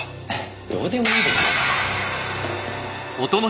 どうでもいいですよ。